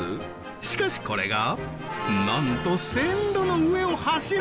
しかしこれがなんと線路の上を走る！